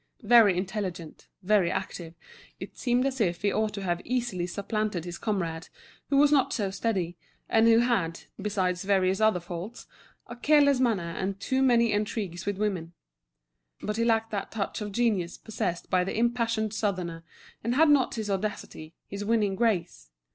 Very intelligent, very active, it seemed as if he ought to have easily supplanted his comrade, who was not so steady, and who had, besides various other faults, a careless manner and too many intrigues with women; but he lacked that touch of genius possessed by the impassioned Southerner, and had not his audacity, his winning grace.